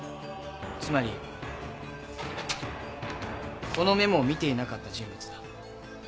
つまりこのメモを見ていなかった人物だ。